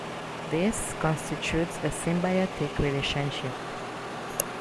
This constitutes a symbiotic relationship.